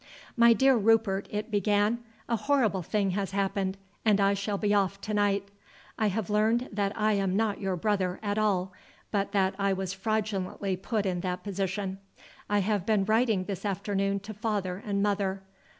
"My dear Rupert," it began, "a horrible thing has happened, and I shall be off to night. I have learned that I am not your brother at all, but that I was fraudulently put in that position. I have been writing this afternoon to father and mother.